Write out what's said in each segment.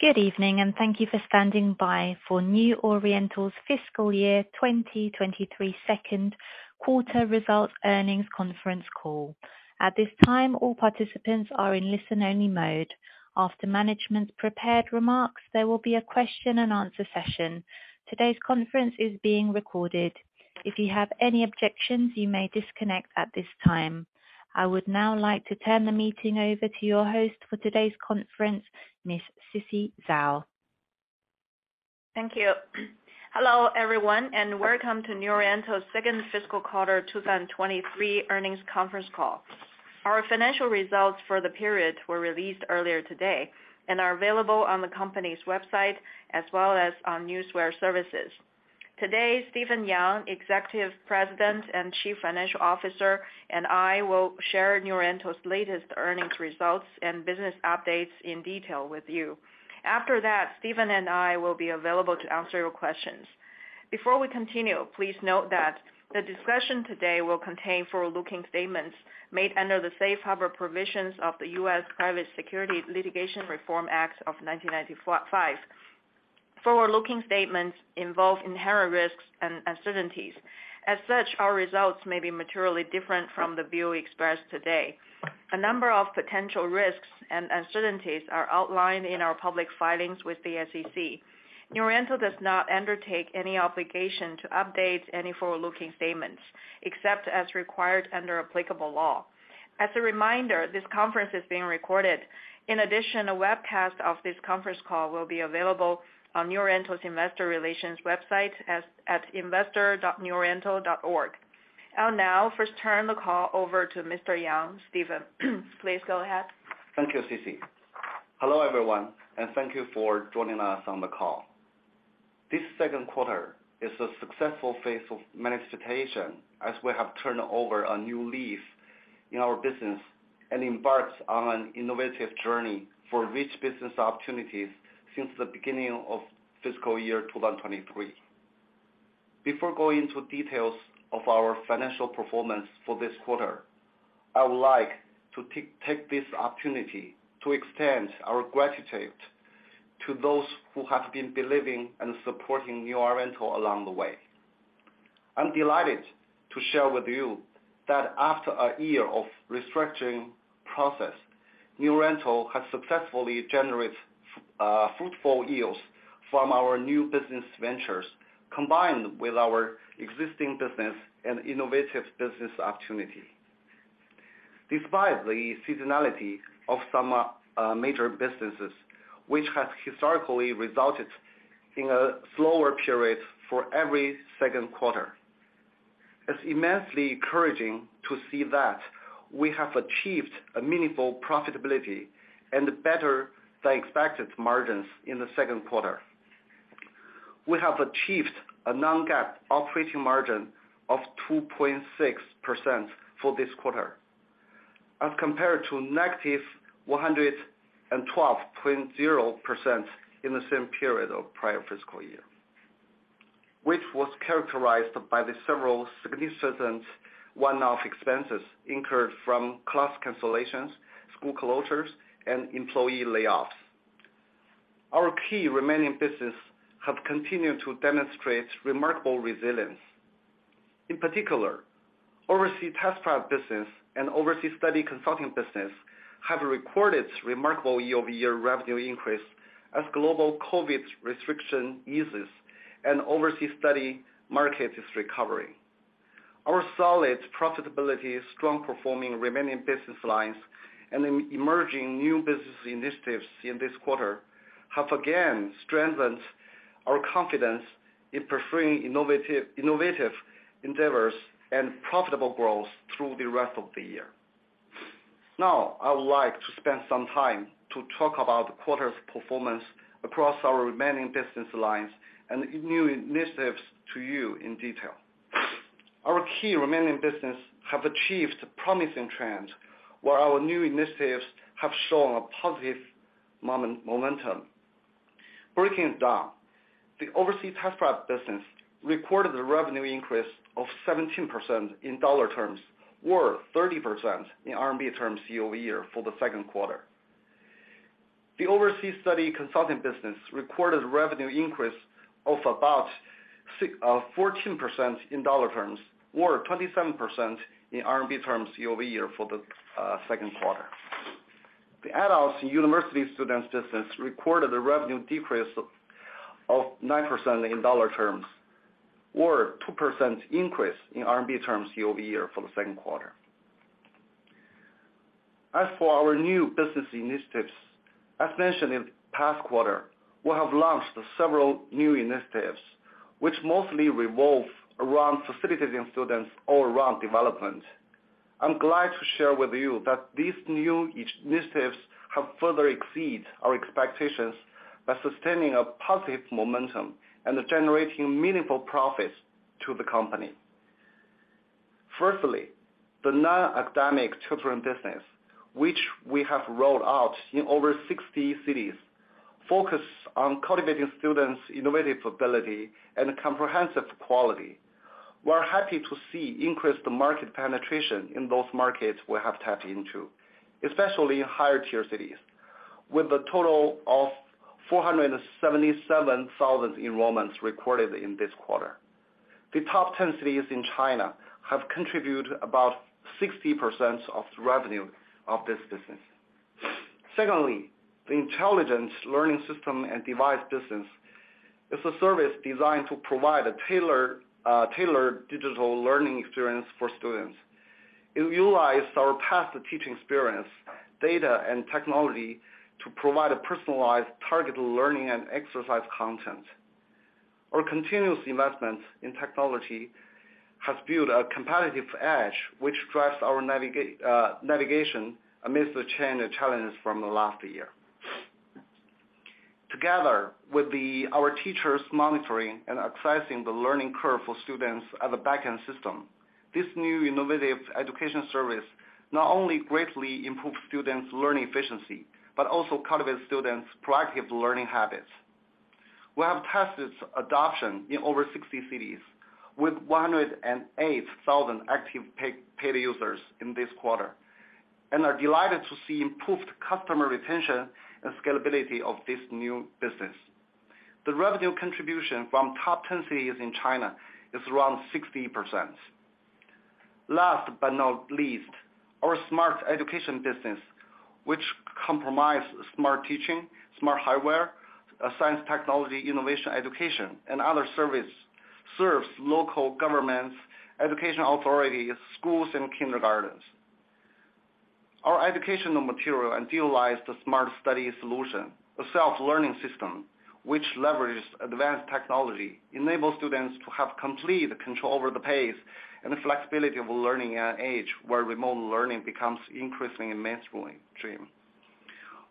Good evening and thank you for standing by for New Oriental's Fiscal Year 2023 Second Quarter Results Earnings Conference Call. At this time, all participants are in listen-only mode. After management's prepared remarks, there will be a question and answer session. Today's conference is being recorded. If you have any objections, you may disconnect at this time. I would now like to turn the meeting over to your host for today's conference, Miss Sisi Zhao. Thank you. Hello, everyone, and welcome to New Oriental's second fiscal quarter 2023 earnings conference call. Our financial results for the period were released earlier today and are available on the company's website as well as on newswire services. Today, Stephen Yang, Executive President and Chief Financial Officer, and I will share New Oriental's latest earnings results and business updates in detail with you. After that, Stephen and I will be available to answer your questions. Before we continue, please note that the discussion today will contain forward-looking statements made under the safe harbor provisions of the U.S. Private Securities Litigation Reform Act of 1995. Forward-looking statements involve inherent risks and uncertainties. As such, our results may be materially different from the view expressed today. A number of potential risks and uncertainties are outlined in our public filings with the SEC. New Oriental does not undertake any obligation to update any forward-looking statements, except as required under applicable law. As a reminder, this conference is being recorded. In addition, a webcast of this conference call will be available on New Oriental's investor relations website at investor.neworiental.org. I'll now first turn the call over to Mr. Yang, Stephen. Please go ahead. Thank you, Sisi. Hello, everyone. Thank you for joining us on the call. This second quarter is a successful phase of manifestation as we have turned over a new leaf in our business and embarked on an innovative journey for rich business opportunities since the beginning of fiscal year 2023. Before going into details of our financial performance for this quarter, I would like to take this opportunity to extend our gratitude to those who have been believing and supporting New Oriental along the way. I'm delighted to share with you that after a year of restructuring process, New Oriental has successfully generated fruitful yields from our new business ventures, combined with our existing business and innovative business opportunity. Despite the seasonality of some major businesses, which has historically resulted in a slower period for every second quarter, it's immensely encouraging to see that we have achieved a meaningful profitability and better than expected margins in the second quarter. We have achieved a non-GAAP operating margin of 2.6% for this quarter, as compared to -112.0% in the same period of prior fiscal year, which was characterized by the several significant one-off expenses incurred from class cancellations, school closures, and employee layoffs. Our key remaining business have continued to demonstrate remarkable resilience. In particular, overseas test prep business and overseas study consulting business have recorded remarkable year-over-year revenue increase as global COVID restriction eases and overseas study market is recovering. Our solid profitability, strong performing remaining business lines, and emerging new business initiatives in this quarter have again strengthened our confidence in pursuing innovative endeavors and profitable growth through the rest of the year. I would like to spend some time to talk about the quarter's performance across our remaining business lines and new initiatives to you in detail. Our key remaining business have achieved promising trends, while our new initiatives have shown a positive momentum. Breaking it down, the overseas test prep business reported a revenue increase of 17% in dollar terms, or 30% in RMB terms year-over-year for the second quarter. The overseas study consulting business recorded revenue increase of about 14% in dollar terms or 27% in RMB terms year-over-year for the second quarter. The adults and university students business recorded a revenue decrease of 9% in dollar terms or 2% increase in RMB terms year-over-year for the second quarter. As for our new business initiatives, as mentioned in past quarter, we have launched several new initiatives which mostly revolve around facilitating students' all-round development. I'm glad to share with you that these new initiatives have further exceeded our expectations by sustaining a positive momentum and generating meaningful profits to the company. Firstly, the non-academic children business, which we have rolled out in over 60 cities, focus on cultivating students' innovative ability and comprehensive quality. We're happy to see increased market penetration in those markets we have tapped into, especially in higher-tier cities, with a total of 477,000 enrollments recorded in this quarter. The top 10 cities in China have contributed about 60% of the revenue of this business. Secondly, the intelligence learning system and device business is a service designed to provide a tailored digital learning experience for students. It utilized our past teaching experience, data, and technology to provide a personalized targeted learning and exercise content. Our continuous investment in technology has built a competitive edge, which drives our navigation amidst the chain of challenges from the last year. Together with our teachers monitoring and accessing the learning curve for students at the back-end system, this new innovative education service not only greatly improves students' learning efficiency, but also cultivates students' proactive learning habits. We have tested its adoption in over 60 cities with 108,000 active paid users in this quarter, and are delighted to see improved customer retention and scalability of this new business. The revenue contribution from top 10 cities in China is around 60%. Last but not least, our smart education business, which comprise smart teaching, smart hardware, science technology, innovation education, and other service, serves local governments, education authorities, schools, and kindergartens. Our educational material utilized the smart study solution, a self-learning system, which leverages advanced technology, enables students to have complete control over the pace and the flexibility of learning at an age where remote learning becomes increasing in mainstream.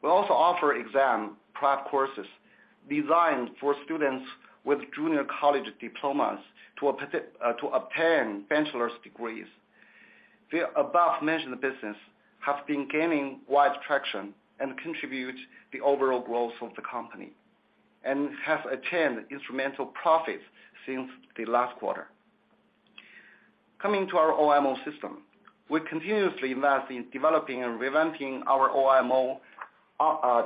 We also offer exam prep courses designed for students with junior college diplomas to obtain bachelor's degrees. The above-mentioned business have been gaining wide traction and contribute the overall growth of the company, and have attained instrumental profits since the last quarter. Coming to our OMO system, we continuously invest in developing and revamping our OMO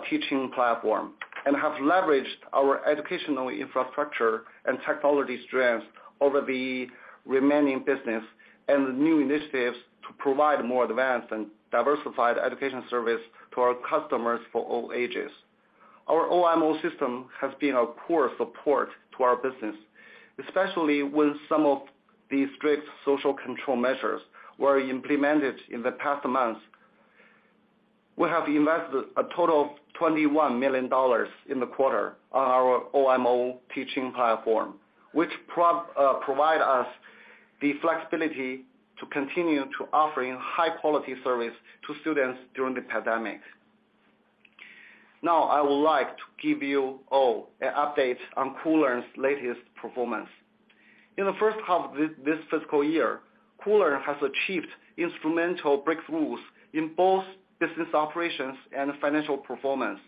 teaching platform, and have leveraged our educational infrastructure and technology strengths over the remaining business and the new initiatives to provide more advanced and diversified education service to our customers for all ages. Our OMO system has been a core support to our business, especially with some of the strict social control measures were implemented in the past months. We have invested a total of $21 million in the quarter on our OMO teaching platform, which provide us the flexibility to continue to offering high-quality service to students during the pandemic. Now, I would like to give you all an update on Koolearn's latest performance. In the first half of this fiscal year, Koolearn has achieved instrumental breakthroughs in both business operations and financial performance.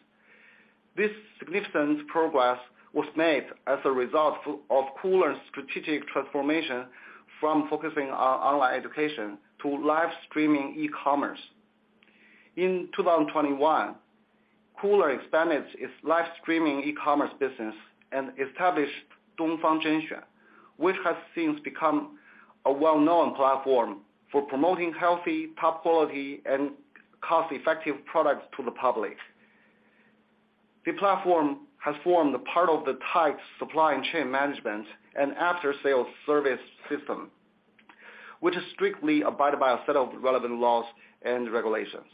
This significant progress was made as a result of Koolearn's strategic transformation from focusing on online education to live streaming e-commerce. In 2021, Koolearn expanded its live streaming e-commerce business and established Dongfang Zhenxuan, which has since become a well-known platform for promoting healthy, top-quality, and cost-effective products to the public. The platform has formed a part of the tight supply chain management and after-sales service system, which is strictly abided by a set of relevant laws and regulations.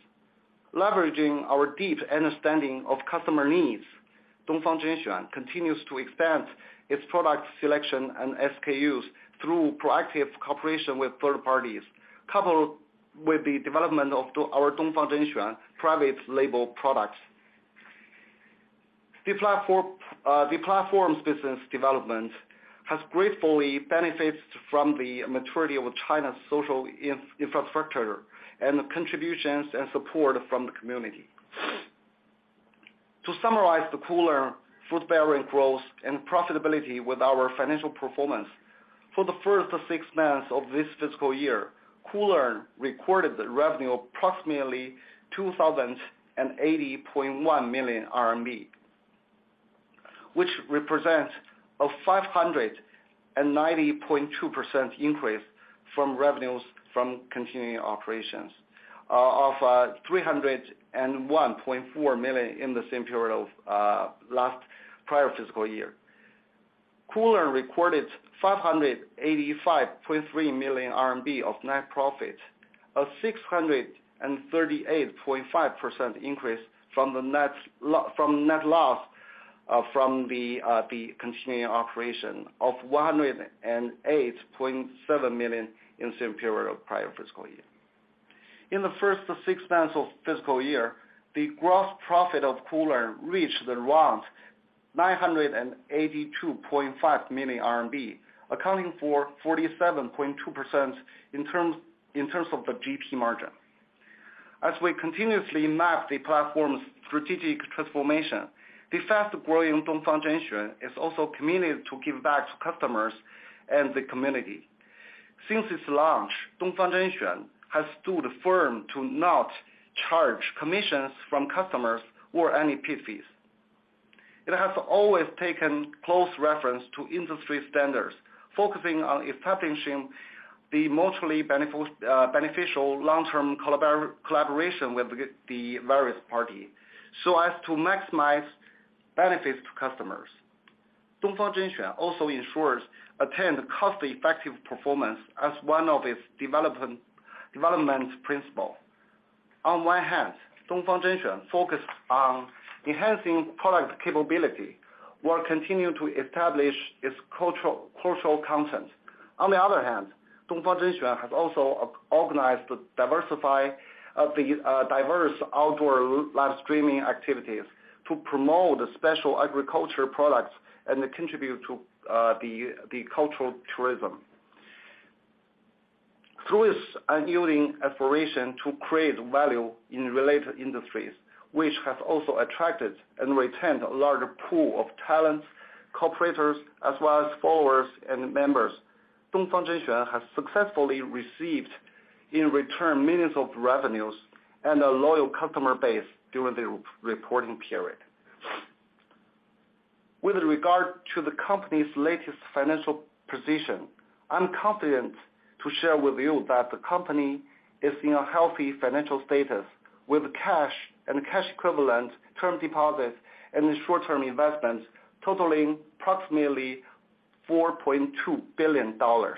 Leveraging our deep understanding of customer needs, Dongfang Zhenxuan continues to expand its product selection and SKUs through proactive cooperation with third parties, coupled with the development of our Dongfang Zhenxuan private label products. The platform's business development has gratefully benefited from the maturity of China's social infrastructure and the contributions and support from the community. To summarize the Koolearn fruit-bearing growth and profitability with our financial performance, for the first six months of this fiscal year, Koolearn recorded the revenue approximately 2,080.1 million RMB, which represents a 590.2% increase from revenues from continuing operations of 301.4 million in the same period of last prior fiscal year. Koolearn recorded 585.3 million RMB of net profit, a 638.5% increase from net loss from the continuing operation of 108.7 million in the same period of prior fiscal year. In the first six months of fiscal year, the gross profit of Koolearn reached around 982.5 million RMB, accounting for 47.2% in terms of the GP margin. As we continuously map the platform's strategic transformation, the fast-growing Dongfang Zhenxuan is also committed to give back to customers and the community. Since its launch, Dongfang Zhenxuan has stood firm to not charge commissions from customers or any pit fees. It has always taken close reference to industry standards, focusing on establishing the mutually beneficial long-term collaboration with the various party so as to maximize benefits to customers. Dongfang Zhenxuan also ensures attained cost-effective performance as one of its development principle. On one hand, Dongfang Zhenxuan focused on enhancing product capability while continuing to establish its cultural content. On the other hand, Dongfang Zhenxuan has also organized to diversify, the diverse outdoor live streaming activities to promote special agriculture products and contribute to the cultural tourism. Through its unyielding aspiration to create value in related industries, which has also attracted and retained a large pool of talents, cooperators, as well as followers and members, Dongfang Zhenxuan has successfully received in return millions of revenues and a loyal customer base during the reporting period. With regard to the company's latest financial position, I'm confident to share with you that the company is in a healthy financial status with cash and cash equivalents, term deposits, and short-term investments totaling approximately $4.2 billion. On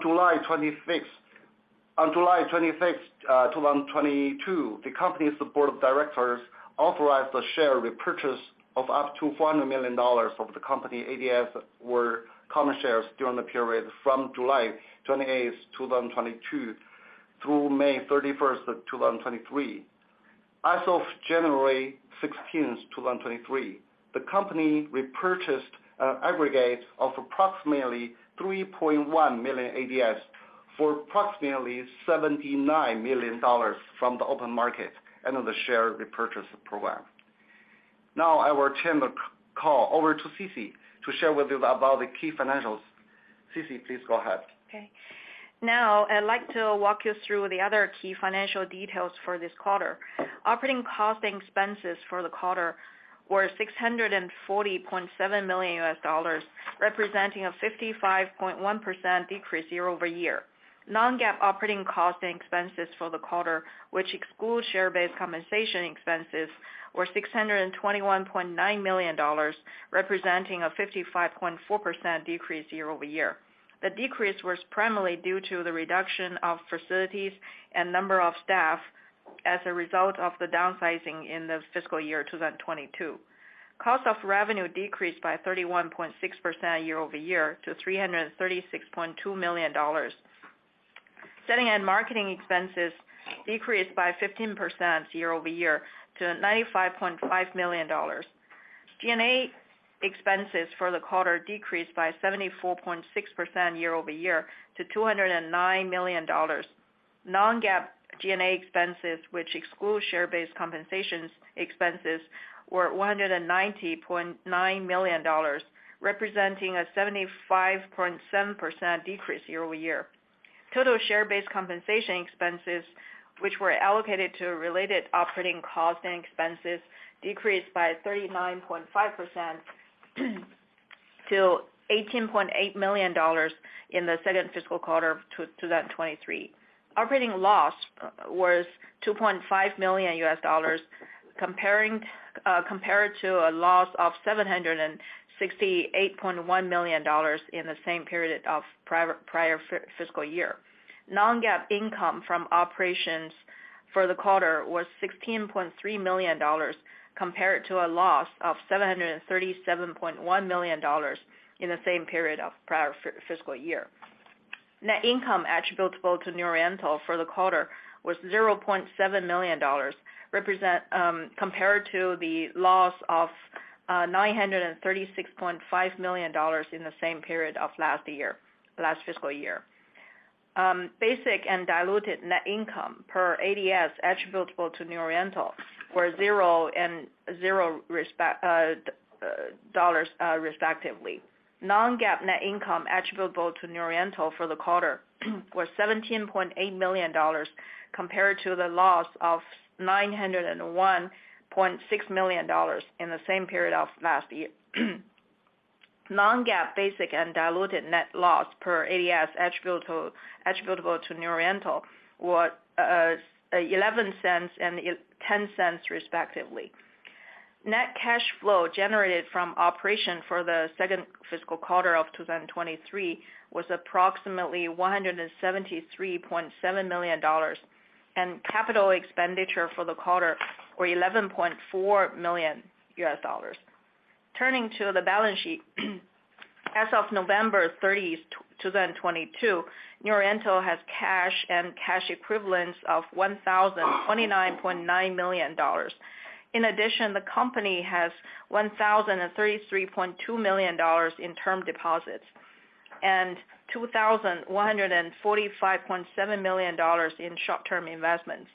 July 26th. On July 26th, 2022, the company's board of directors authorized a share repurchase of up to $400 million of the company ADS or common shares during the period from July 28th, 2022 through May 31st, 2023. As of January 16th, 2023, the company repurchased an aggregate of approximately 3.1 million ADS for approximately $79 million from the open market under the share repurchase program. I will turn the call over to Sisi to share with you about the key financials. Sisi, please go ahead. Okay. Now, I'd like to walk you through the other key financial details for this quarter. Operating costs and expenses for the quarter were $640.7 million, representing a 55.1% decrease year-over-year. Non-GAAP operating costs and expenses for the quarter, which excludes share-based compensation expenses, were $621.9 million, representing a 55.4% decrease year-over-year. The decrease was primarily due to the reduction of facilities and number of staff as a result of the downsizing in the fiscal year 2022. Cost of revenue decreased by 31.6% year-over-year to $336.2 million. Selling and marketing expenses decreased by 15% year-over-year to $95.5 million. G&A expenses for the quarter decreased by 74.6% year-over-year to $209 million. Non-GAAP G&A expenses, which excludes share-based compensations expenses, were $190.9 million, representing a 75.7% decrease year-over-year. Total share-based compensation expenses, which were allocated to related operating costs and expenses, decreased by 39.5% to $18.8 million in the second fiscal quarter of 2023. Operating loss was $2.5 million comparing, compared to a loss of $768.1 million in the same period of prior fiscal year. Non-GAAP income from operations for the quarter was $16.3 million, compared to a loss of $737.1 million in the same period of prior fiscal year. Net income attributable to New Oriental for the quarter was $0.7 million, compared to the loss of $936.5 million in the same period of last fiscal year. Basic and diluted net income per ADS attributable to New Oriental were $0 and $0 dollars, respectively. Non-GAAP net income attributable to New Oriental for the quarter was $17.8 million, compared to the loss of $901.6 million in the same period of last year. Non-GAAP basic and diluted net loss per ADS attributable to New Oriental was $0.11 and $0.10, respectively. Net cash flow generated from operation for the second fiscal quarter of 2023 was approximately $173.7 million. Capital expenditure for the quarter were $11.4 million. Turning to the balance sheet, as of November 30, 2022, New Oriental has cash and cash equivalents of $1,029.9 million. In addition, the company has $1,033.2 million in term deposits. $2,145.7 million in short-term investments.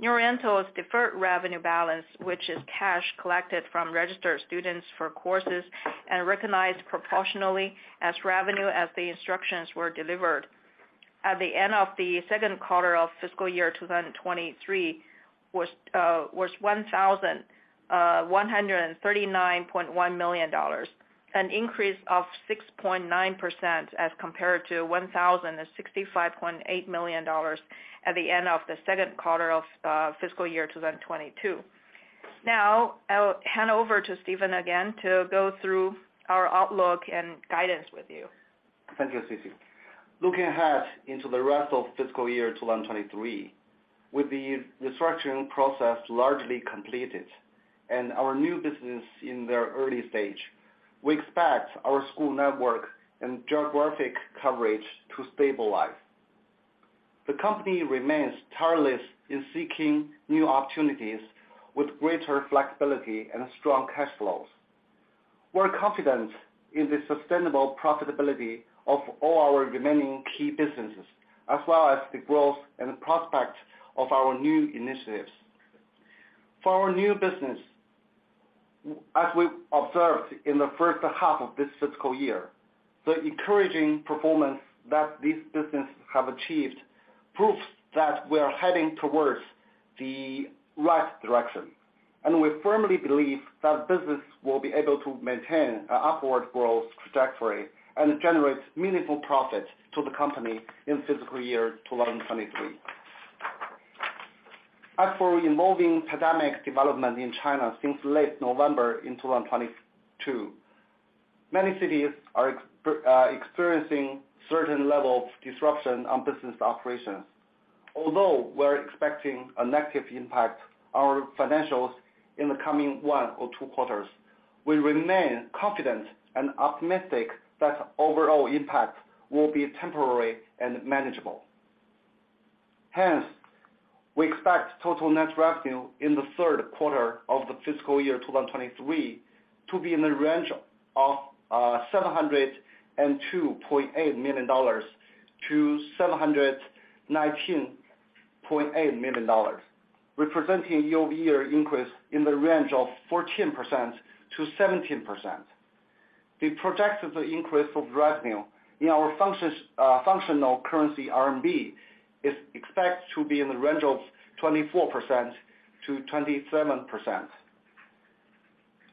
New Oriental's deferred revenue balance, which is cash collected from registered students for courses and recognized proportionally as revenue as the instructions were delivered. At the end of the second quarter of fiscal year 2023 was $1,139.1 million, an increase of 6.9% as compared to $1,065.8 million at the end of the second quarter of fiscal year 2022. I'll hand over to Stephen again to go through our outlook and guidance with you. Thank you, Sisi. Looking ahead into the rest of fiscal year 2023, with the restructuring process largely completed and our new business in their early stage, we expect our school network and geographic coverage to stabilize. The company remains tireless in seeking new opportunities with greater flexibility and strong cash flows. We're confident in the sustainable profitability of all our remaining key businesses, as well as the growth and prospect of our new initiatives. For our new business, as we observed in the first half of this fiscal year, the encouraging performance that these businesses have achieved proves that we are heading towards the right direction, and we firmly believe that business will be able to maintain a upward growth trajectory and generate meaningful profit to the company in fiscal year 2023. As for evolving pandemic development in China since late November in 2022, many cities are experiencing certain level of disruption on business operations. Although we're expecting a negative impact on financials in the coming one or two quarters, we remain confident and optimistic that overall impact will be temporary and manageable. We expect total net revenue in the third quarter of the fiscal year 2023 to be in the range of $702.8 million-$719.8 million, representing year-over-year increase in the range of 14%-17%. The projected increase of revenue in our functions, functional currency RMB is expected to be in the range of 24%-27%.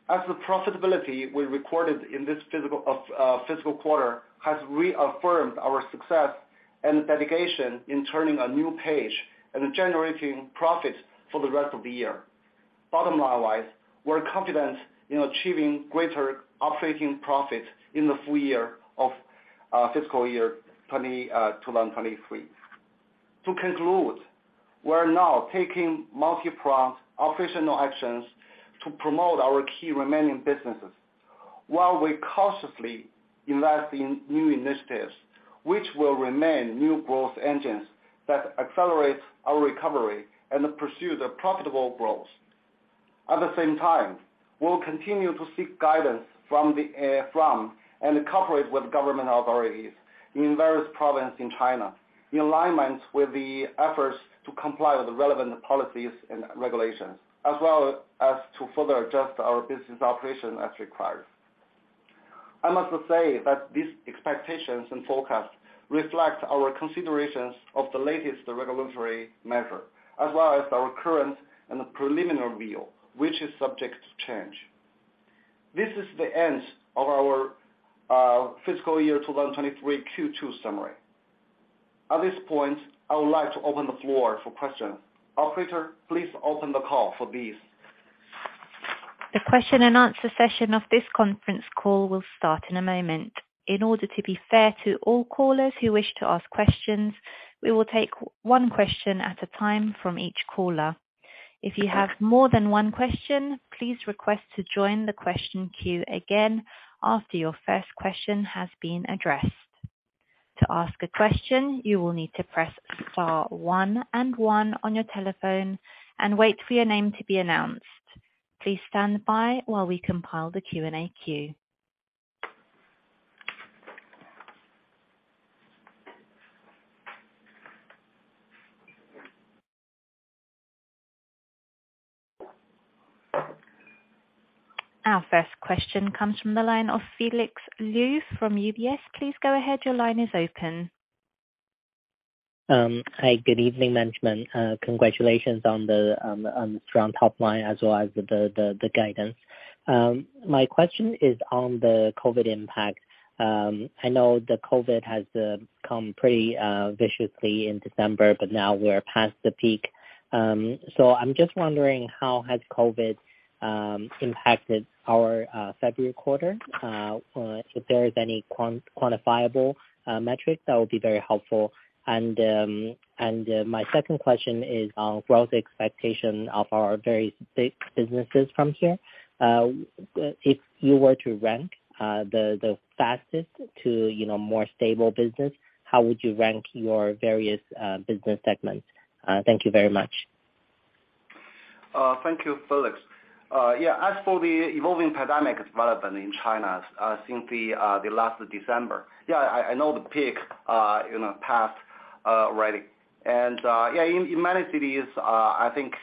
As the profitability we recorded in this physical. Fiscal quarter has reaffirmed our success and dedication in turning a new page and generating profits for the rest of the year. Bottom line wise, we're confident in achieving greater operating profits in the full year of fiscal year 2023. To conclude, we're now taking multi-pronged operational actions to promote our key remaining businesses while we cautiously invest in new initiatives, which will remain new growth engines that accelerate our recovery and pursue the profitable growth. At the same time, we'll continue to seek guidance from the and cooperate with government authorities in various province in China, in alignment with the efforts to comply with relevant policies and regulations, as well as to further adjust our business operation as required. I must say that these expectations and forecasts reflect our considerations of the latest regulatory measure, as well as our current and preliminary view, which is subject to change. This is the end of our fiscal year 2023 Q2 summary. At this point, I would like to open the floor for questions. Operator, please open the call for these. The question and answer session of this conference call will start in a moment. In order to be fair to all callers who wish to ask questions, we will take one question at a time from each caller. If you have more than one question, please request to join the question queue again after your first question has been addressed. To ask a question, you will need to press star one and one on your telephone and wait for your name to be announced. Please stand by while we compile the Q&A queue. Our first question comes from the line of Felix Liu from UBS. Please go ahead. Your line is open. Hi, good evening, management. Congratulations on the strong top line as well as the guidance. My question is on the COVID impact. I know the COVID has come pretty viciously in December, but now we're past the peak. I'm just wondering how has COVID impacted our February quarter, if there is any quantifiable metrics, that would be very helpful. My second question is on growth expectation of our very big businesses from here. If you were to rank the fastest to, you know, more stable business, how would you rank your various business segments? Thank you very much. Thank you, Felix. As for the evolving pandemic development in China, since the last December, I know the peak passed already. In many cities, I think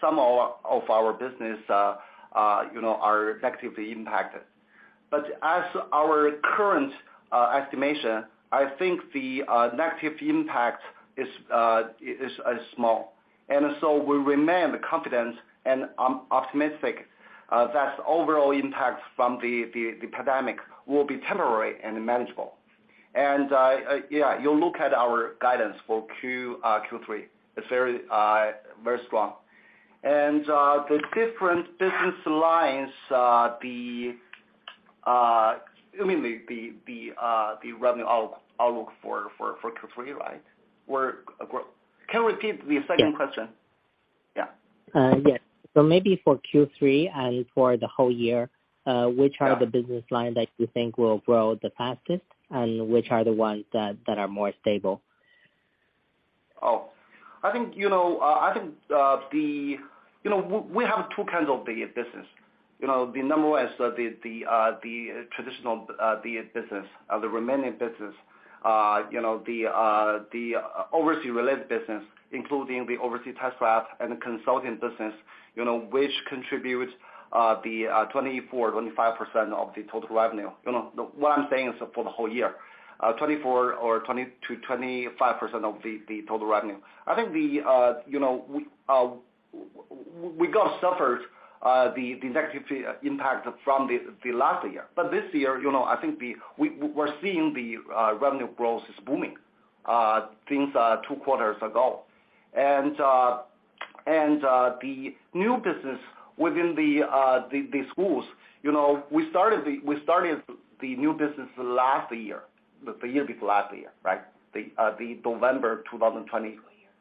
some of our business are negatively impacted. As our current estimation, I think the negative impact is small. We remain confident and optimistic that overall impact from the pandemic will be temporary and manageable. You'll look at our guidance for Q3. It's very strong. The different business lines, the... You mean the revenue outlook for Q3, right? Can you repeat the second question? Yeah. Yeah. Yes. Maybe for Q3 and for the whole year which are the business line that you think will grow the fastest, and which are the ones that are more stable? I think, you know, I think, you know, we have two kinds of big business. You know, the number one is the traditional big business, the remaining business. You know, the overseas related business, including the overseas test prep and the consulting business, you know, which contributes 24%, 25% of the total revenue. You know, what I'm saying is for the whole year, 24% or 20%-25% of the total revenue. I think, you know, we got suffered the negative impact from the last year. This year, you know, I think, we're seeing the revenue growth is booming since two quarters ago. The new business within the schools, you know, we started the new business last year. The year before last year, right? The November 2020-. Fiscal year.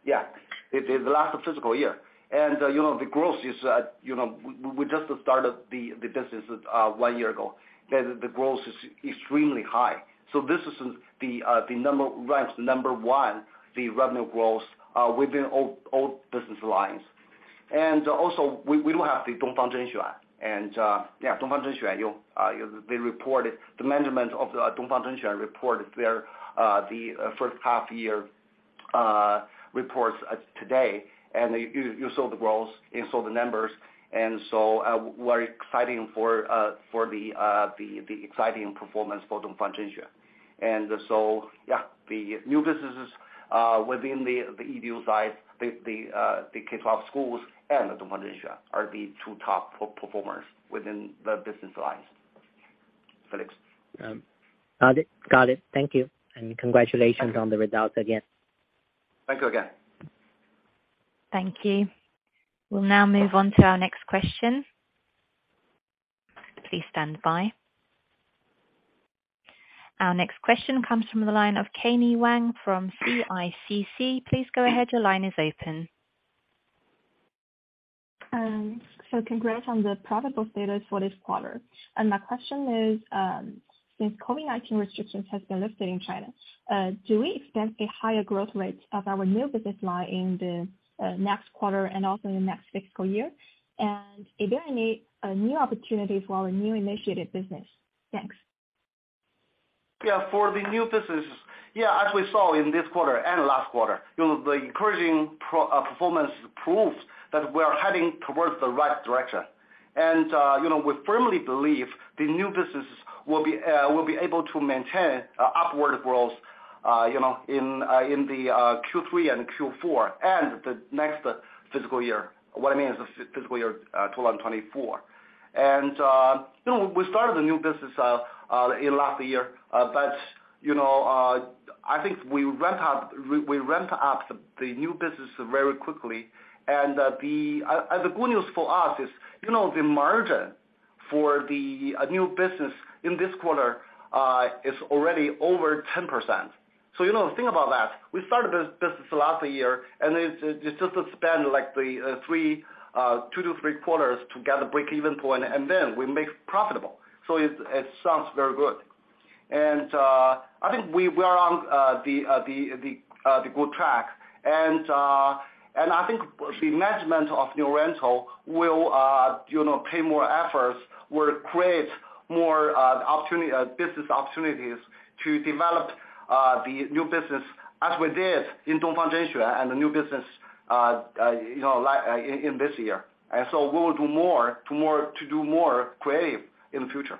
Yeah. The last fiscal year. You know, the growth is, you know, we just started the business1one year ago, and the growth is extremely high. This is the number. Ranks number 1, the revenue growth, within all business lines. Also, we now have the Dongfang Zhenxuan. Yeah, Dongfang Zhenxuan. They reported, the management of the Dongfang Zhenxuan reported their first half year reports today. You saw the growth, you saw the numbers. We're exciting for the exciting performance for Dongfang Zhenxuan. Yeah, the new businesses, within the EDU side, the K-12 schools and the Dongfang Zhenxuan are the two top performers within the business lines. Felix. Got it. Got it. Thank you, and congratulations on the results again. Thank you again. Thank you. We'll now move on to our next question. Please stand by. Our next question comes from the line of Kenny Wang from CICC. Please go ahead, your line is open. Congrats on the profitable status for this quarter. My question is, since COVID-19 restrictions have been lifted in China, do we expect a higher growth rate of our new business line in the next quarter and also in the next fiscal year? Are there any new opportunities for our new initiative business? Thanks. Yeah. For the new businesses, yeah, as we saw in this quarter and last quarter, you know, the encouraging performance proves that we are heading towards the right direction. We firmly believe the new businesses will be able to maintain upward growth, you know, in the Q3 and Q4 and the next fiscal year. What I mean is the fiscal year 2024. We started the new business in last year. You know, I think we ramp up the new business very quickly. The good news for us is, you know, the margin for the new business in this quarter is already over 10%. You know, think about that. We started this business last year, and it's just to spend like the three, two to three quarters to get a breakeven point, and then we make profitable. It sounds very good. I think we are on the good track. I think the management of New Oriental will, you know, pay more efforts, will create more opportunity, business opportunities to develop the new business as we did in Dongfang Zhenxuan and the new business, you know, in this year. We will do more to do more creative in the future.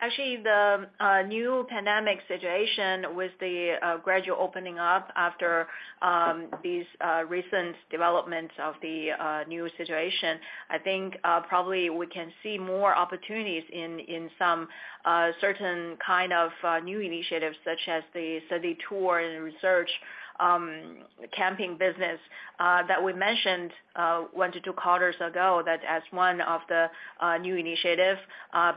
Yeah. Actually, the new pandemic situation with the gradual opening up after these recent developments of the new situation, I think probably we can see more opportunities in some certain kind of new initiatives such as the study tour and research camping business that we mentioned one to two quarters ago that as one of the new initiatives. As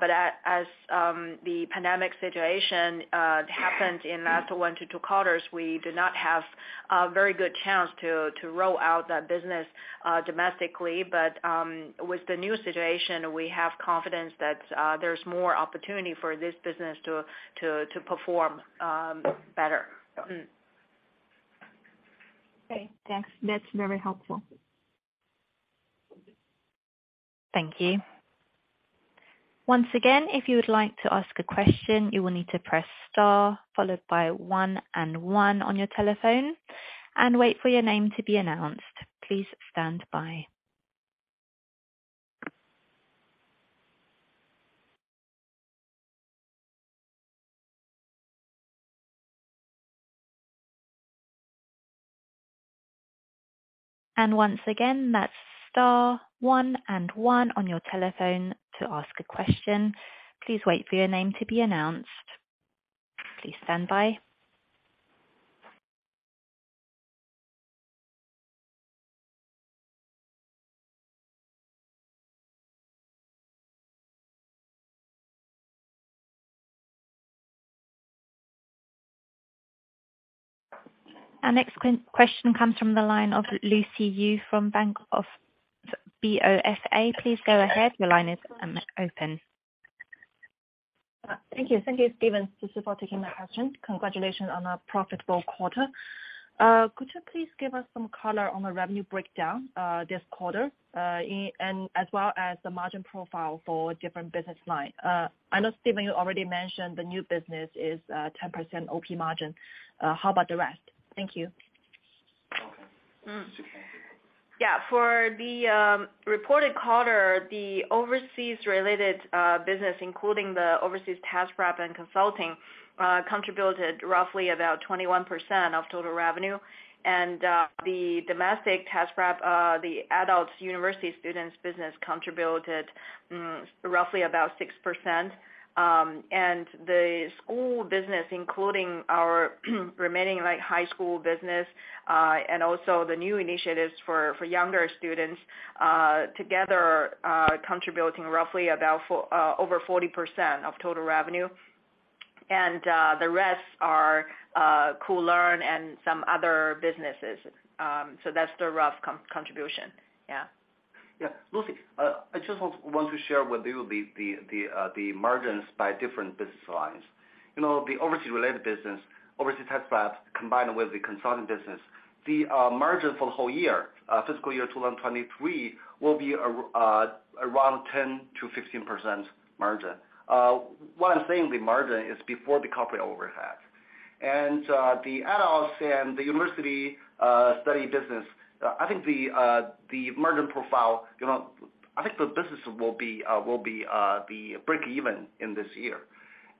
the pandemic situation happened in last one to two quarters, we did not have a very good chance to roll out that business domestically. With the new situation, we have confidence that there's more opportunity for this business to perform better. Okay, thanks. That's very helpful. Thank you. Once again, if you would like to ask a question, you will need to press star followed by one and one on your telephone and wait for your name to be announced. Please stand by. Once again, that's star one and one on your telephone to ask a question. Please wait for your name to be announced. Please stand by. Our next question comes from the line of Lucy Yu from Bank of America. Please go ahead. Your line is open. Thank you. Thank you, Stephen, Sisi, for taking my question. Congratulations on a profitable quarter. Could you please give us some color on the revenue breakdown, this quarter, and as well as the margin profile for different business line? I know, Stephen, you already mentioned the new business is, 10% Operating Margin. How about the rest? Thank you. Okay. Yeah. For the reported quarter, the overseas related business, including the overseas test prep and consulting, contributed roughly about 21% of total revenue. The domestic test prep, the adults, university students business contributed roughly about 6%. The school business, including our remaining, like, high school business, and also the new initiatives for younger students, together, contributing roughly about over 40% of total revenue. The rest are Koolearn and some other businesses. That's the rough contribution. Yeah. Yeah. Lucy, I just want to share with you the margins by different business lines. You know, the overseas related business, overseas test prep, combined with the consulting business, the margin for the whole year, fiscal year 2023, will be around 10%-15% margin. What I'm saying the margin is before the corporate overhead. The adults and the university study business, I think the margin profile, you know, I think the business will be the break even in this year.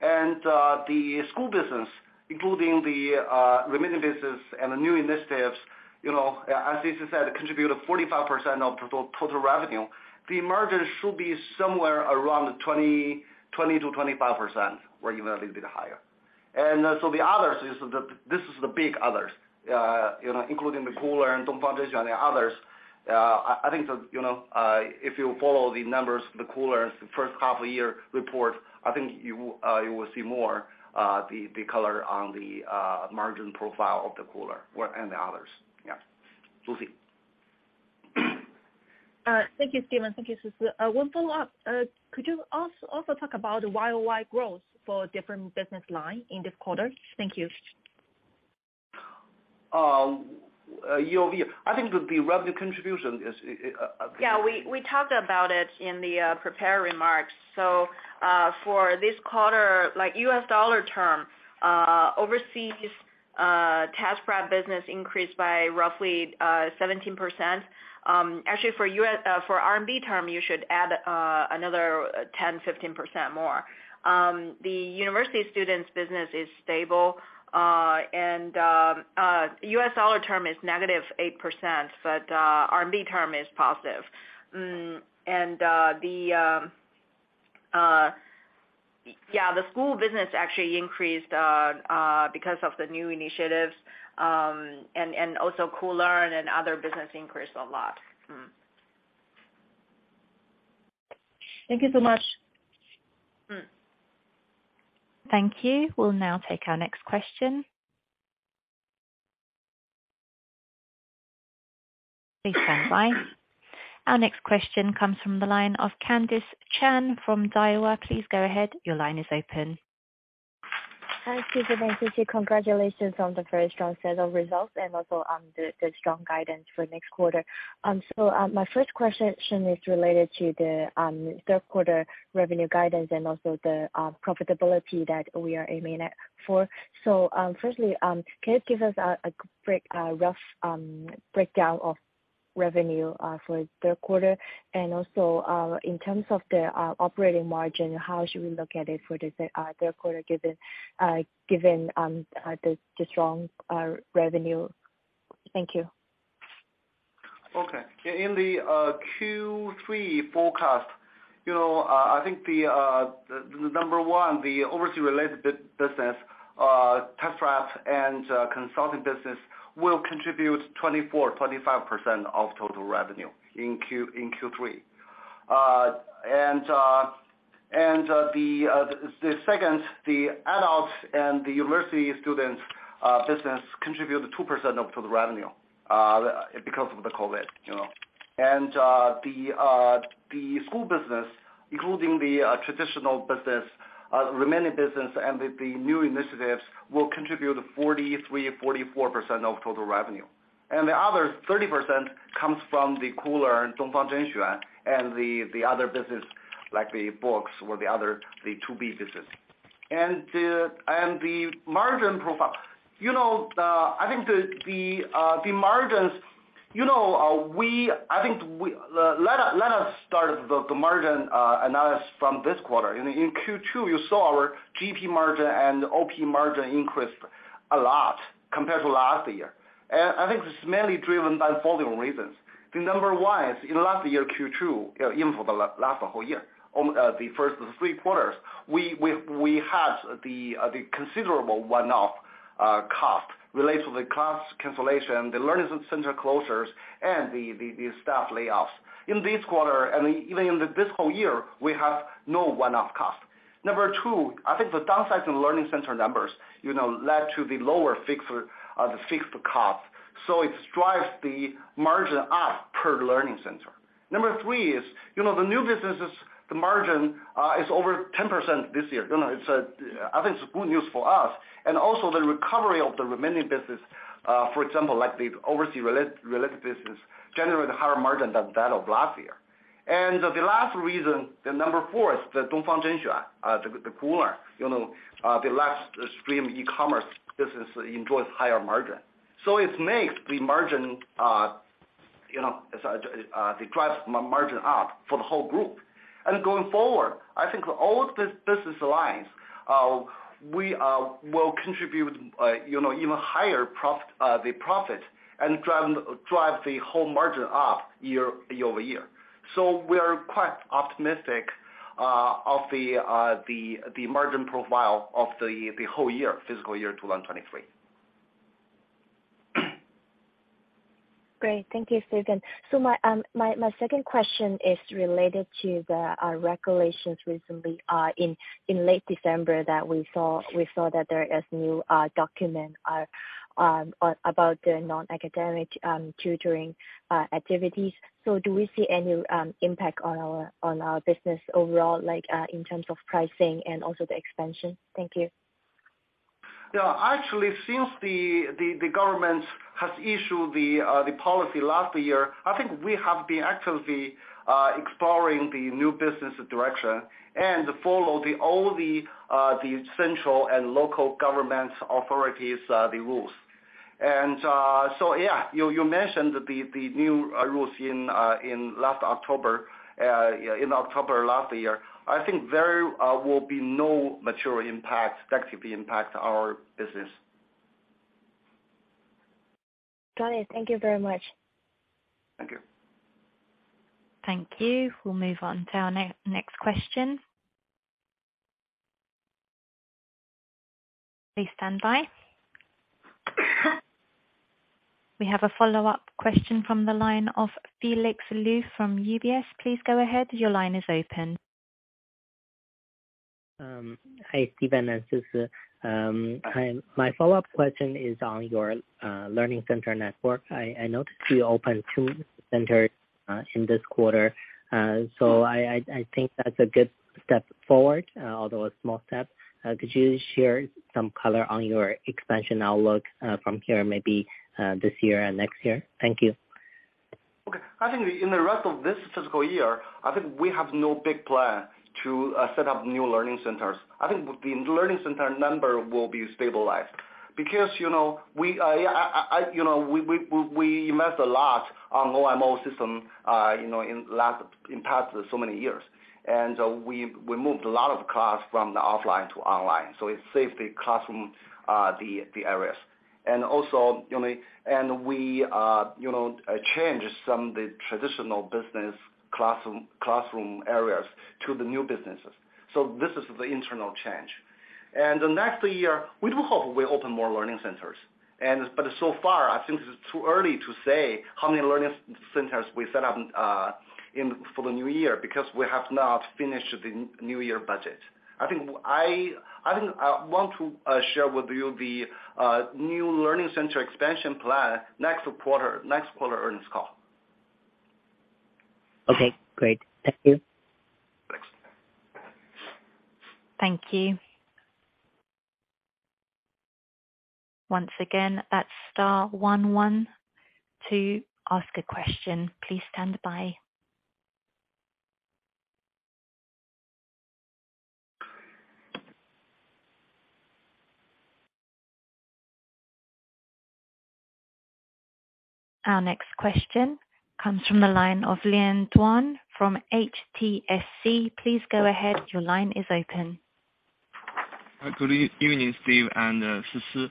The school business, including the remaining business and the new initiatives, you know, as Sisi said, contribute 45% of total revenue. The margin should be somewhere around 20%-25% or even a little bit higher. This is the big others, you know, including the Koolearn and Dongfang Zhenxuan and the others. I think the, you know, if you follow the numbers, Koolearn's first half year report, I think you will see more the color on the margin profile of Koolearn or, and the others. Yeah. Lucy. Thank you, Stephen. Thank you, Sisi. One follow-up. Could you also talk about the YOY growth for different business line in this quarter? Thank you. YOY. I think the revenue contribution is. We talked about it in the prepared remarks. For this quarter, like US dollar term, overseas, test prep business increased by roughly 17%. Actually, for RMB term, you should add another 10-15% more. The university students business is stable, and US dollar term is negative 8%, but RMB term is positive. The school business actually increased because of the new initiatives, and also Koolearn and other business increased a lot. Thank you so much. Mm. Thank you. We'll now take our next question. Please stand by. Our next question comes from the line of Candace Chen from Daiwa. Please go ahead. Your line is open. Hi, Stephen and Sisi. Congratulations on the very strong set of results and also on the strong guidance for next quarter. My first question is related to the third quarter revenue guidance and also the profitability that we are aiming at, for. Firstly, can you give us a quick rough breakdown of revenue for the third quarter? In terms of the operating margin, how should we look at it for the third quarter given the strong revenue? Thank you. Okay. In the Q3 forecast, you know, I think the number one, the overseas related business, test prep and consulting business will contribute 24%-25% of total revenue in Q3. The second, the adults and the university students business contribute 2% of total revenue because of the COVID, you know. The school business, including the traditional business, remaining business and the new initiatives will contribute 43%-44% of total revenue. The other 30% comes from Koolearn, Dongfang Zhenxuan, and the other business like the books or the other, the 2B business. The margin profile. You know, I think the margins, you know, I think we let us start the margin analysis from this quarter. In Q2, you saw our GP margin and Operating Margin increased a lot compared to last year. I think this is mainly driven by the following reasons. The number 1 is in last year Q2, even for the last whole year, the first three quarters, we had the considerable one-off cost related to the class cancellation, the learning center closures and the staff layoffs. In this quarter, and even in this whole year, we have no one-off cost. Number 2, I think the downsizing learning center numbers, you know, led to the lower fixed costs, so it drives the margin up per learning center. Number 3 is, you know, the new businesses, the margin is over 10% this year. You know, it's, I think it's good news for us. Also the recovery of the remaining business, for example, like the overseas-related business generate higher margin than that of last year. The last reason, the Number 4 is the Dongfang Zhenxuan, the Koolearn. You know, the live stream e-commerce business enjoys higher margin. It makes the margin, you know, it drives margin up for the whole group. Going forward, I think all the business lines, we will contribute, you know, even higher profit and drive the whole margin up year-over-year. We are quite optimistic of the margin profile of the whole year, fiscal year 2023. Great. Thank you, Stephen. My second question is related to the regulations recently in late December that we saw that there is new document on about the non-academic tutoring activities. Do we see any impact on our business overall, like in terms of pricing and also the expansion? Thank you. Yeah. Actually, since the government has issued the policy last year, I think we have been actively exploring the new business direction and follow all the central and local government authorities, the rules. Yeah. You mentioned the new rules in last October, in October last year. I think there will be no material impact, practically impact our business. Got it. Thank you very much. Thank you. Thank you. We'll move on to our next question. Please stand by. We have a follow-up question from the line of Felix Liu from UBS. Please go ahead. Your line is open. Hi, Stephen and Sisi. Hi. My follow-up question is on your learning center network. I noticed you opened two centers in this quarter. I think that's a good step forward, although a small step. Could you share some color on your expansion outlook from here, maybe, this year and next year? Thank you. Okay. I think in the rest of this fiscal year, I think we have no big plan to set up new learning centers. I think the learning center number will be stabilized. You know, we, you know, we invest a lot on OMO system, you know, in past so many years. We moved a lot of class from the offline to online, so it saved the classroom, the areas. Also, you know, we, you know, change some of the traditional business classroom areas to the new businesses. This is the internal change. The next year, we do hope we open more learning centers. But so far, I think it's too early to say how many learning centers we set up in for the new year, because we have not finished the new year budget. I think I want to share with you the new learning center expansion plan next quarter earnings call. Okay, great. Thank you. Thanks. Thank you. Once again, that's star one one to ask a question. Please stand by. Our next question comes from the line of Lian Duan from HTSC. Please go ahead. Your line is open. Good evening, Steve and Sisi.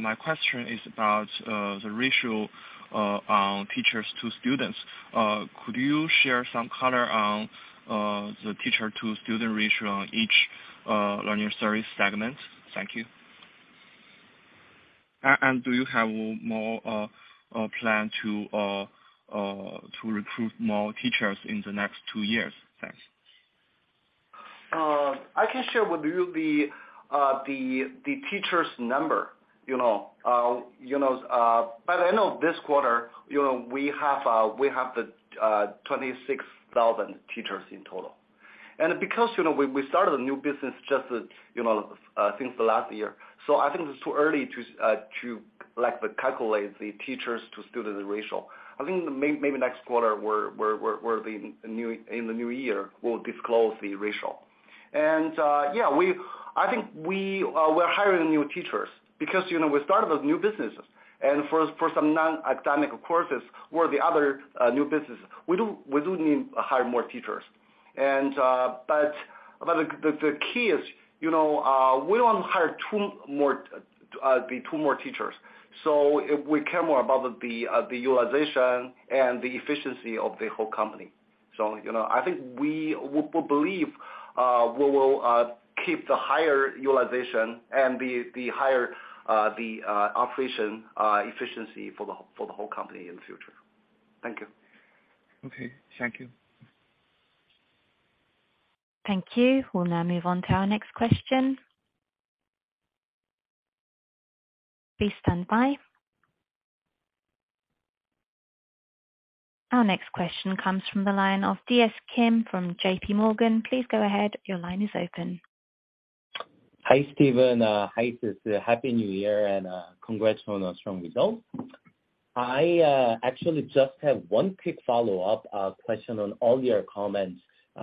My question is about the ratio on teachers to students. Could you share some color on the teacher-to-student ratio on each learning service segment? Thank you. Do you have more plan to recruit more teachers in the next two years? Thanks. I can share with you the teacher's number. You know, you know, by the end of this quarter, you know, we have the 26,000 teachers in total. Because, you know, we started a new business just, you know, since the last year, so I think it's too early to like calculate the teachers to student ratio. I think maybe next quarter we're in the new year, we'll disclose the ratio. Yeah, I think we're hiring new teachers because, you know, we started those new businesses. For some non-academic courses or the other new businesses, we do need to hire more teachers. But the key is, you know, we don't hire two more teachers. We care more about the utilization and the efficiency of the whole company. You know, I think we will believe, we will keep the higher utilization and the higher operation efficiency for the whole company in the future. Thank you. Okay, thank you. Thank you. We'll now move on to our next question. Please stand by. Our next question comes from the line of D.S. Kim from J.P. Morgan. Please go ahead. Your line is open. Hi, Stephen. Hi, Sisi. Happy New Year. Congrats on a strong result. I actually just have one quick follow-up question on all your comments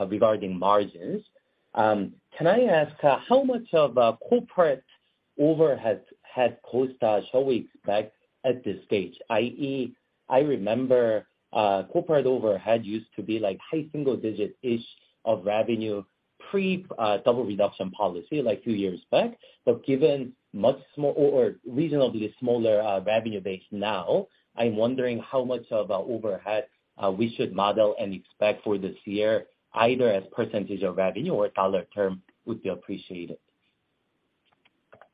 regarding margins. Can I ask how much of a corporate overhead had cost shall we expect at this stage? i.e., I remember corporate overhead used to be like high single digit-ish of revenue pre Double Reduction Policy, like two years back. Given much small or reasonably smaller revenue base now, I'm wondering how much of overhead we should model and expect for this year, either as % of revenue or dollar term would be appreciated.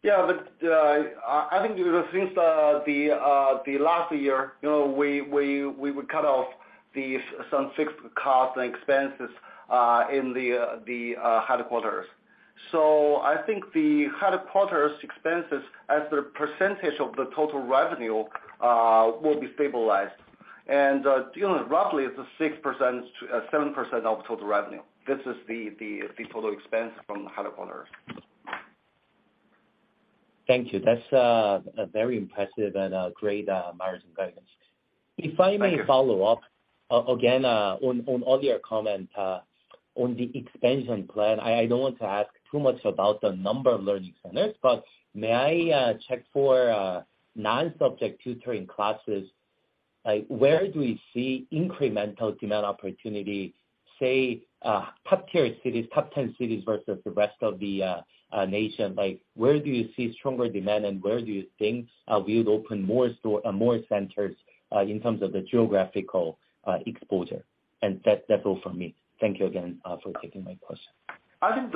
I think, you know, since the last year, you know, we would cut off some fixed costs and expenses in the headquarters. I think the headquarters expenses as the percentage of the total revenue will be stabilized. Roughly it's a 6%-7% of total revenue. This is the total expense from headquarters. Thank you. That's a very impressive and great margin guidance. Thank you. If I may follow up again on all your comment on the expansion plan. I don't want to ask too much about the number of learning centers, but may I check for non-subject tutoring classes? Like, where do we see incremental demand opportunity, say, top-tier cities, top 10 cities versus the rest of the nation? Like, where do you see stronger demand, and where do you think we would open more store or more centers in terms of the geographical exposure? That's all from me. Thank you again for taking my question. I think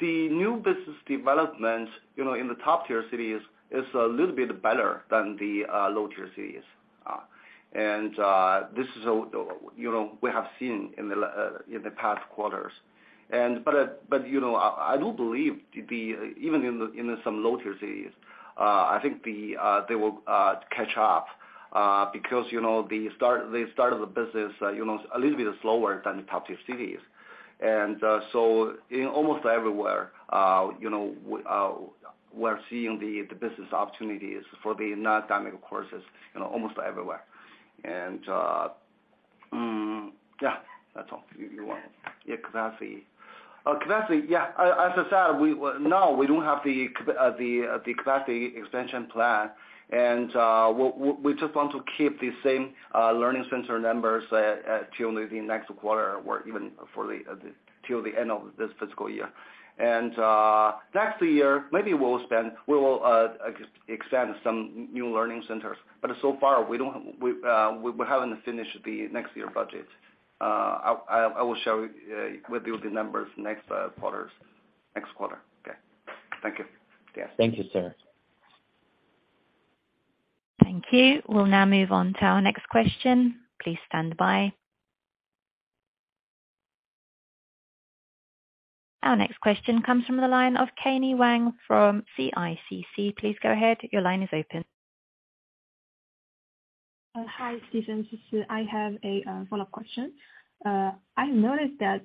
the new business development, you know, in the top-tier cities is a little bit better than the, lower-tier cities. This is a, you know, we have seen in the past quarters. You know, I do believe the, even in the, in some lower-tier cities, I think the, they will, catch up, because, you know, they started the business, you know, a little bit slower than the top-tier cities. So in almost everywhere, you know, we're seeing the business opportunities for the non-academic courses, you know, almost everywhere. Yeah, that's all. Okay. You want? Yeah, Koolearn. Koolearn, yeah. As I said, now we don't have the Koolearn expansion plan. We just want to keep the same learning center numbers till the next quarter or even till the end of this fiscal year. Next year, maybe we will extend some new learning centers. So far we haven't finished the next year budget. I will share with you the numbers next quarter. Okay. Thank you. Yes. Thank you, sir. Thank you. We'll now move on to our next question. Please stand by. Our next question comes from the line of Kenny Wang from CICC. Please go ahead. Your line is open. Hi, Stephen. I have a follow-up question. I noticed that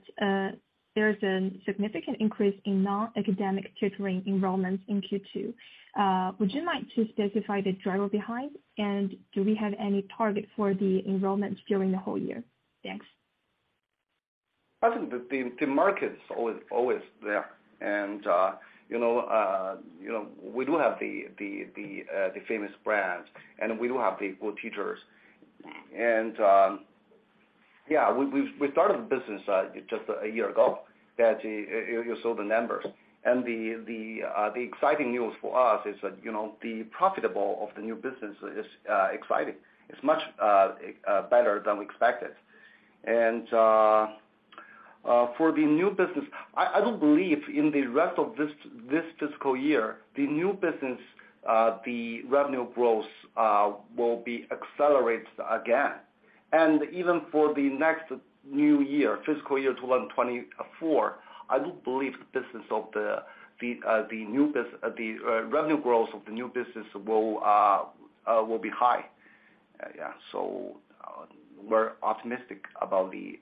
there is a significant increase in non-academic tutoring enrollments in Q2. Would you like to specify the driver behind? Do we have any target for the enrollments during the whole year? Thanks. I think the market's always there. You know, you know, we do have the famous brands, and we do have the good teachers. Yeah, we started the business just a year ago that you saw the numbers. The exciting news for us is that, you know, the profitable of the new business is exciting. It's much better than we expected. For the new business, I do believe in the rest of this fiscal year, the new business, the revenue growth will be accelerated again. Even for the next new year, fiscal year 2024, I do believe the business of the revenue growth of the new business will be high. Yeah. We're optimistic about the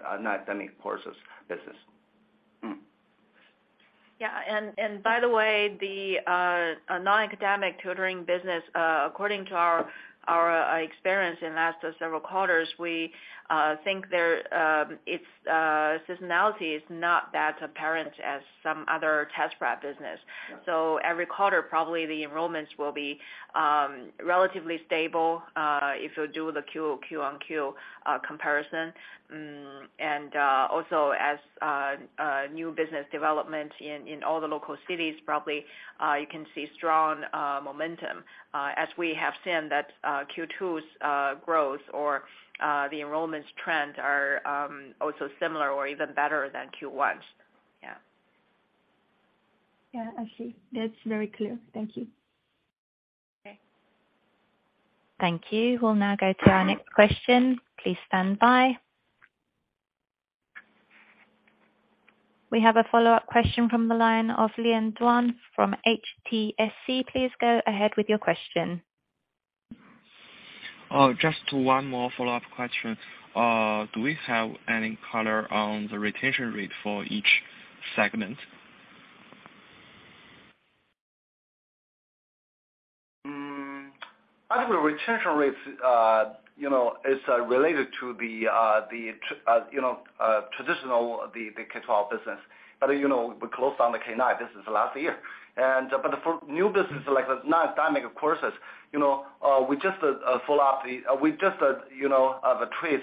non-academic courses business. Yeah. By the way, the non-academic tutoring business, according to our experience in last several quarters, we think there, it's seasonality is not that apparent as some other test prep business. Yeah. Every quarter, probably the enrollments will be relatively stable, if you do the Q on Q comparison. As a new business development in all the local cities, probably you can see strong momentum, as we have seen that Q2's growth or the enrollments trend are also similar or even better than Q1's. Yeah. Yeah, I see. That's very clear. Thank you. Okay. Thank you. We'll now go to our next question. Please stand by. We have a follow-up question from the line of Lian Duan from HTSC. Please go ahead with your question. Just one more follow-up question. Do we have any color on the retention rate for each segment? I think the retention rates, you know, is related to the traditional K-12 business. You know, we closed down the K-9 business last year. For new business, like the non-academic courses, you know, we just trace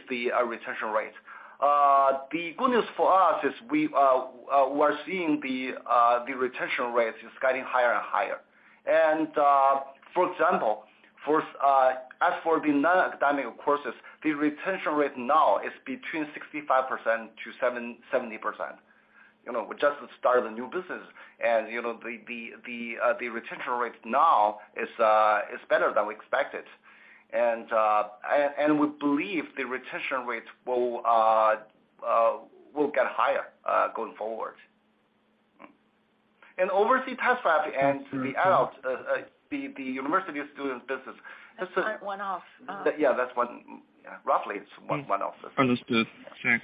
the retention rate. The good news for us is we're seeing the retention rates is getting higher and higher. For example, as for the non-academic courses, the retention rate now is between 65%-70%. You know, we just started the new business and, you know, the retention rate now is better than we expected. We believe the retention rates will get higher going forward. Overseas test prep and the adult, the university student business... It's a one-off. Yeah, that's one. Roughly, it's one-off. Understood. Thanks. Okay.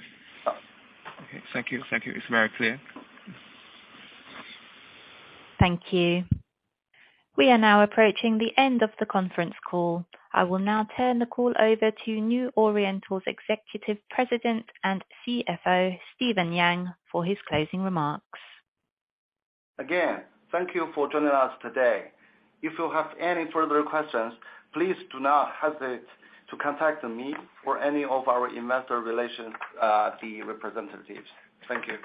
Thank you. Thank you. It's very clear. Thank you. We are now approaching the end of the conference call. I will now turn the call over to New Oriental's Executive President and CFO, Stephen Yang, for his closing remarks. Again, thank you for joining us today. If you have any further questions, please do not hesitate to contact me or any of our investor relations, the representatives. Thank you.